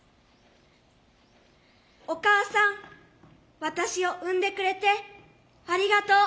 お母さん私を生んでくれてありがとう。